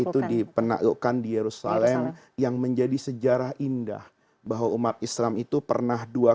tergantung tadi sudah sampai satu tahun